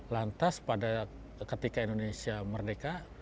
lantas pada ketika indonesia merdeka